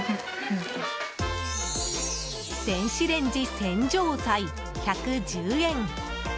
電子レンジ洗浄剤１１０円。